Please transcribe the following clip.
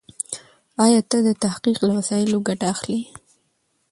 ايا ته د تحقيق له وسایلو ګټه اخلې؟